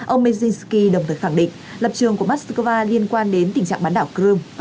ông melsky đồng thời khẳng định lập trường của moscow liên quan đến tình trạng bán đảo crimea